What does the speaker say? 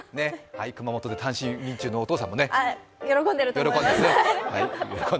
熊本で単身赴任中のお父さんも喜んでいると思います。